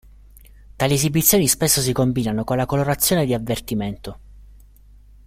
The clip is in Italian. Tali esibizioni spesso si combinano con la colorazione di avvertimento.